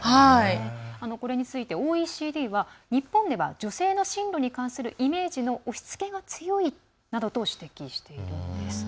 これについてＯＥＣＤは日本では女性の進路に関するイメージの押しつけが強いなどと指摘しているんです。